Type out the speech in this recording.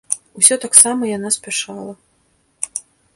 Усё таксама яна спяшала.